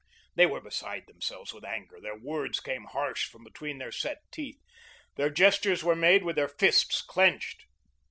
They were beside themselves with anger; their words came harsh from between their set teeth; their gestures were made with their fists clenched.